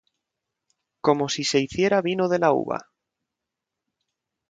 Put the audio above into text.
Como si se hiciera vino de la uva.